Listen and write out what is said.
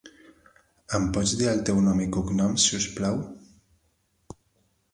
Em pots dir el teu nom i cognoms, si us plau?